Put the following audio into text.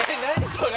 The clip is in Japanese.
それ。